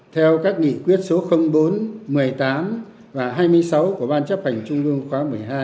theo các nghị quyết số bốn một mươi tám và hai mươi sáu của ban chấp hành trung ương khóa một mươi hai